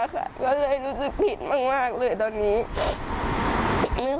ก็เลยรู้สึกผิดมากเลยตอนนี้